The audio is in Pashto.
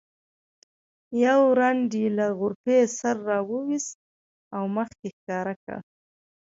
یو رند له غرفې سر راوویست او مخ یې ښکاره کړ.